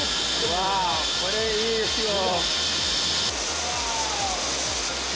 ワオ、これ、いいですよ。